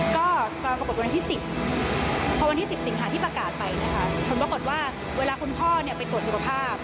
ก็ปรากฏวันที่๑๐พอวันที่๑๐สิงหาที่ประกาศไปนะคะผลปรากฏว่าเวลาคุณพ่อไปตรวจสุขภาพ